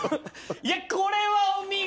いやこれはお見事！